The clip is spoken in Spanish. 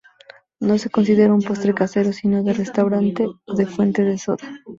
No se considera un postre casero, sino de restaurante o de fuente de soda.